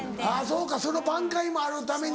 そうかその挽回もあるために。